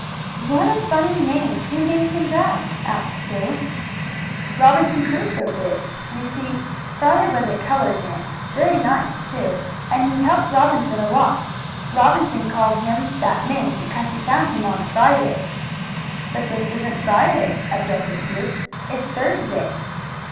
"What a funny name! Who named him that?" asked Sue. "Robinson Crusoe did. You see, Friday was a colored man, very nice, too, and he helped Robinson a lot. Robinson called him that name because he found him on Friday." "But this isn't Friday," objected Sue. "It's Thursday."